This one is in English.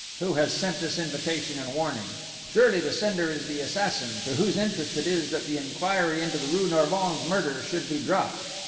Who has sent this invitation and warning? Surely the sender is the assassin, to whose interest it is that the inquiry into the rue Norvins murder should be dropped!...